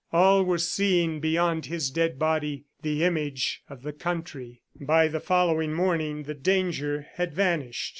All were seeing, beyond his dead body, the image of the country. By the following morning, the danger had vanished.